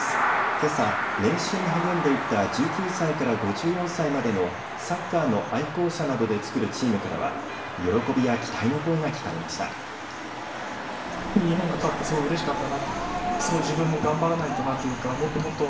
けさ練習に励んでいた１９歳から５４歳までのサッカーの愛好者などで作るチームからは喜びや期待の声が聞かれました。